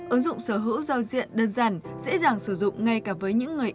ứng dụng sở hữu giao diện đơn giản dễ dàng sử dụng ngay cả với những người